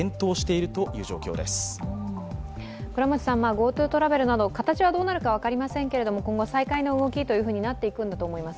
ＧｏＴｏトラベルなど形はどうなるか分かりませんけれども今後、再開の動きになってくんだと思います。